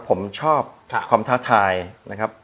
ผมชอบความท้าทายนะครับ